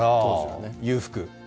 裕福。